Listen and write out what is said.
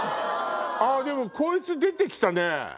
でもこいつ出てきたね！